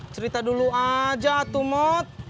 cerita dulu aja tuh mod